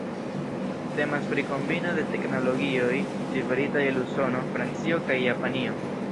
Temas pri kombino de teknologioj liveritaj el Usono, Francio kaj Japanio.